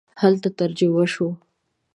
هلته ترجمه شو.